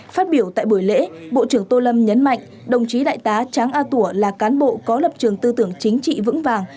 phát biểu tại buổi lễ bộ trưởng tô lâm nhấn mạnh đồng chí đại tá tráng a tủa là cán bộ có lập trường tư tưởng chính trị vững vàng